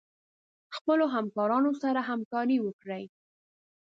خپلو همکارانو سره همکاري وکړئ.